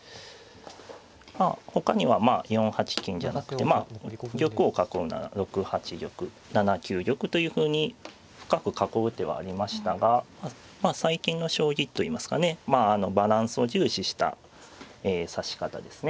まあほかには４八金じゃなくてまあ玉を囲うなら６八玉７九玉というふうに深く囲う手はありましたが最近の将棋といいますかねバランスを重視した指し方ですね